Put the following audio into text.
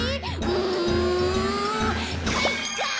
うんかいか！